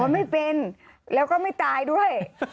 ไม่เป็นแล้วก็ไม่ตายด้วย